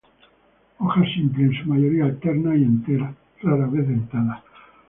Hojas simples, en su mayoría alternas y enteras, rara vez dentadas.